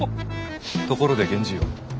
ところで源氏よ。